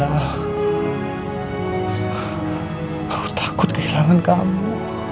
aku takut kehilangan kamu